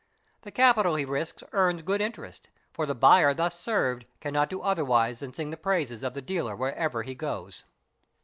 The capital he risks earns good interest, for the buyer thus served cannot do otherwise then sing the praises of the dealer whereever he goes.